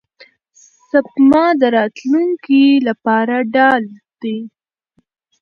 سپما د راتلونکي لپاره ډال دی.